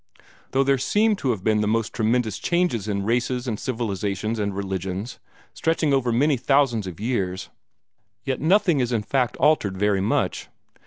Though there seem to have been the most tremendous changes in races and civilizations and religions, stretching over many thousands of years, yet nothing is in fact altered very much.